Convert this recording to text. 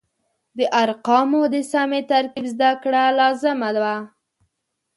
د ارقامو د سمې ترکیب زده کړه لازمه وه.